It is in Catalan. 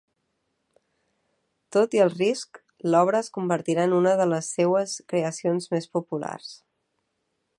Tot i el risc, l'obra es convertirà en una de les seues creacions més populars.